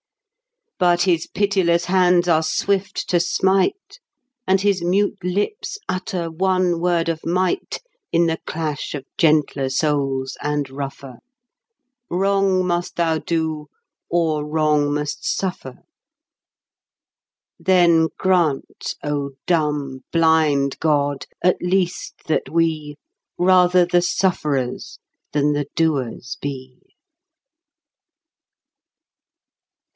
But his pitiless hands are swift to smite, And his mute lips utter one word of might In the clash of gentler souls and rougher— 'Wrong must thou do, or wrong must suffer.' Then grant, O dumb, blind god, at least that we Rather the sufferers than the doers be.